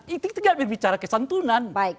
itu tidak berbicara kesantunan